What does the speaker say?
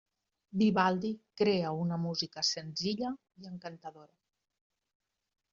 Vivaldi crea una música senzilla i encantadora.